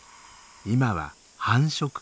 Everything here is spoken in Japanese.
今は繁殖期。